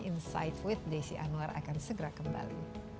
insight with desi anwar akan segera kembali